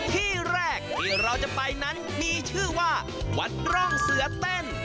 ที่แรกที่เราจะไปนั้นมีชื่อว่าวัดร่องเสือเต้น